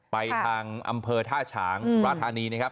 ไปทางอำเภอท่าฉางสุราธานีนะครับ